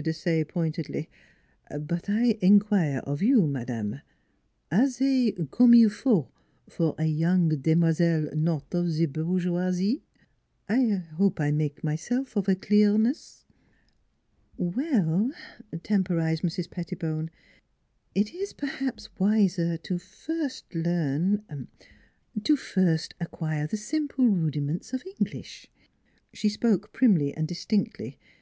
Desaye pointedly; "but I in quire of you, madame are zey comme il faut for a young demoiselle not of ze bourgeoisie? I hope I make myself of a clearness? "" Well," temporized Mrs. Pettibone, " it is perhaps wiser to first learn to first acquire the simple rudiments of English." She spoke primly and distinctly.